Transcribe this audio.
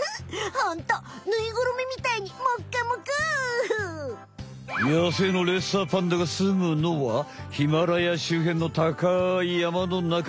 ホントぬいぐるみみたいにモッコモコ！やせいのレッサーパンダがすむのはヒマラヤ周辺の高いやまのなか。